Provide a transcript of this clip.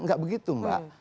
tidak begitu mbak